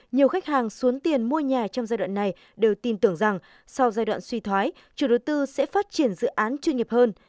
nhiều khách hàng xuống tiền mua nhà trong giai đoạn này đều tin tưởng rằng sau giai đoạn suy thoái chủ đầu tư sẽ phát triển dự án chuyên nghiệp hơn